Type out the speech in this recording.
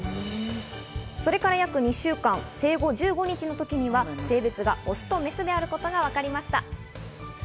それから約２週間、生後１５日の時には性別がオスとメスであることが分かりました。